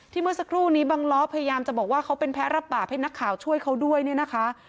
เมื่อสักครู่นี้บังล้อพยายามจะบอกว่าเขาเป็นแพ้รับบาปให้นักข่าวช่วยเขาด้วยเนี่ยนะคะ